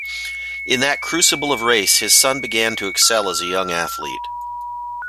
In that crucible of race his son began to excel as a young athlete.